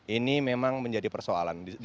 ini memang menjadi persoalan